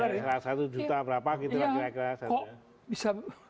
rp seratus juta berapa gitu lah